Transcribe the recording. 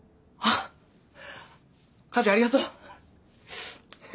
母ちゃんありがとう。